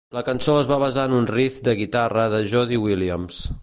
La cançó es va basar en un riff de guitarra de Jody Williams.